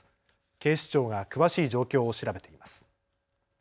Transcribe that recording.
警視庁が詳しい状況を調べています。